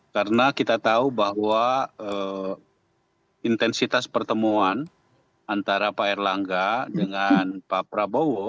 karena kita tahu bahwa intensitas pertemuan antara pak erlangga dengan pak prabowo